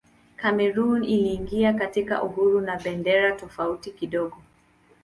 Kamerun iliingia katika uhuru na bendera tofauti kidogo.